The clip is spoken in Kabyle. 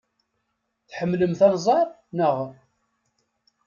Tḥemmlemt anẓar, naɣ?